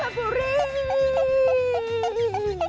ว่าแต่ดาวจะไปทำอะไร